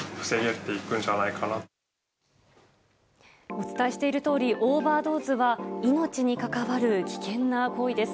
お伝えしているとおりオーバードーズは命に関わる危険な行為です。